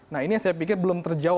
nah ini yang saya pikir belum terjauh